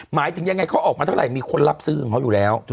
หมายถึงยังไงเขาออกมาเท่าไหร่มีคนรับซื้อของเขาอยู่แล้ว